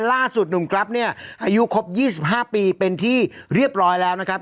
ล่าสุดหนุ่มกรัฟเนี่ยอายุครบ๒๕ปีเป็นที่เรียบร้อยแล้วนะครับ